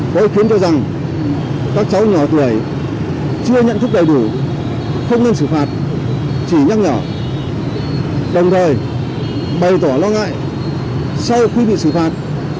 có ý kiến cho rằng các cháu nhỏ tuổi chưa nhận thức đầy đủ không nên xử phạt chỉ nhắc nhở đồng thời bày tỏ lo ngại sau khi bị xử phạt